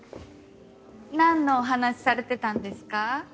何のお話されてたんですか？